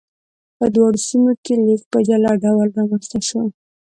په دواړو سیمو کې لیک په جلا ډول رامنځته شو.